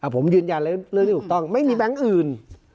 ผมยืนยันแล้วเรื่องที่ถูกต้องไม่มีแบงค์อื่น